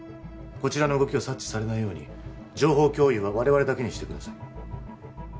こちらの動きを察知されないように情報共有は我々だけにしてください